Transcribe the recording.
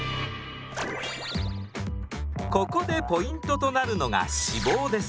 ここでポイントとなるのが脂肪です。